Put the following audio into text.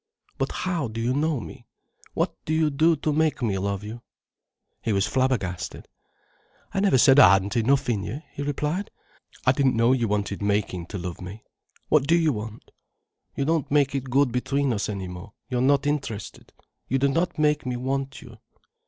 But how do you know me? What do you do to make me love you?" He was flabbergasted. "I never said I hadn't enough in you," he replied. "I didn't know you wanted making to love me. What do you want?" "You don't make it good between us any more, you are not interested. You do not make me want you."